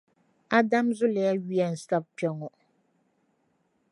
Adam zuliya yuya n-sab’ kpe ŋɔ.